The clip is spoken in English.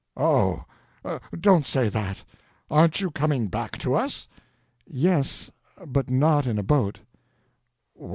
"Oh, don't say that. Aren't you coming back to us?" "Yes, but not in a boat."